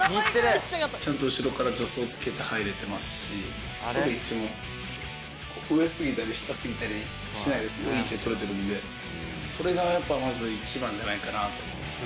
ちゃんと後ろから助走をつけて入れてますし、捕る位置も上すぎたり下すぎたりしないでいい位置で捕れてるので、それがやっぱまず一番じゃないかなと思います。